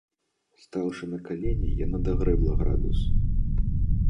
Стаўшы на калені, яна дагрэбла градус.